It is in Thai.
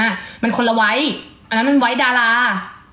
มันคนละไว้อันนั้นมันไว้ดารา